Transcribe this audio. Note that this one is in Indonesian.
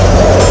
itu udah gila